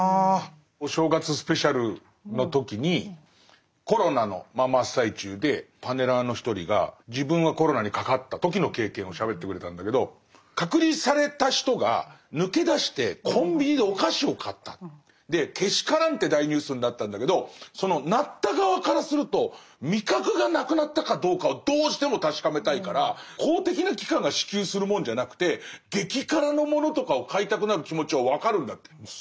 お正月スペシャルの時にコロナの真っ最中でパネラーの一人が自分がコロナにかかった時の経験をしゃべってくれたんだけど隔離された人が抜け出してコンビニでお菓子を買ったけしからんって大ニュースになったんだけどそのなった側からすると味覚がなくなったかどうかをどうしても確かめたいから公的な機関が支給するものじゃなくて激辛のものとかを買いたくなる気持ちは分かるんだって。